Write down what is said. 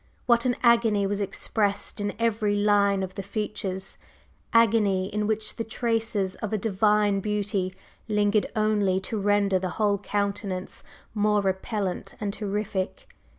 What an agony was expressed in every line of the features! agony in which the traces of a divine beauty lingered only to render the whole countenance more repellent and terrific!